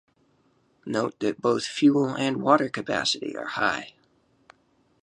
Note that both fuel and water capacity are high.